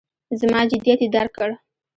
زما جدیت یې درک کړ.